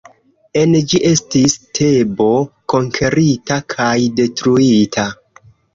En ĝi estis Tebo konkerita kaj detruita.